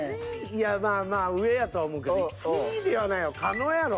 いやまあまあ上やとは思うけど１位ではないやろ。